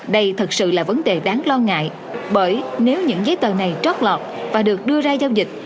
đây thật sự là vấn đề đáng lo ngại bởi nếu những giấy tờ này trót lọt và được đưa ra giao dịch